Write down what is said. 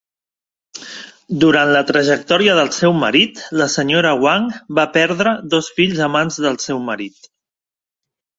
Durant la trajectòria del seu marit, la senyora Wang va perdre dos fills a mans del seu marit.